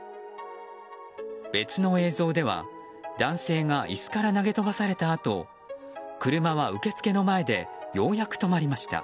別の映像では男性が椅子から投げ飛ばされたあと車は受付の前でようやく止まりました。